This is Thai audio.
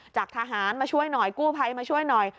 จากทหารมาช่วยหน่อยกู้ภัยมาช่วยหน่อย